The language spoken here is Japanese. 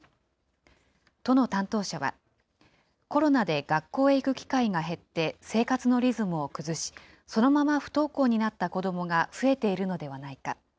都の担当者は、コロナで学校へ行く機会が減って生活のリズムを崩し、そのまま不登校になった子どもが増えているのではないか。